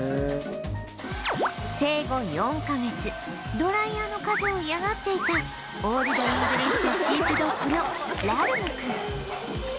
生後４カ月ドライヤーの風を嫌がっていたオールド・イングリッシュ・シープドッグのラルムくん